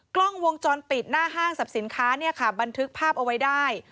กล้องวงจรปิดหน้าห้างสรรพสินค้าเนี่ยค่ะบันทึกภาพเอาไว้ได้